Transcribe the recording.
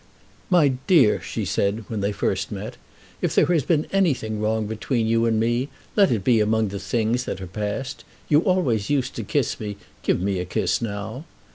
"My dear," she said, when they first met, "if there has been anything wrong between you and me, let it be among the things that are past. You always used to kiss me. Give me a kiss now."